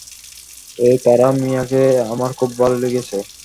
এই তারা মিয়াকে আমার খুব ভালো লেগেছে!